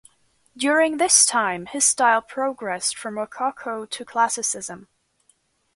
During this time, his style progressed from Rococo to Classicism.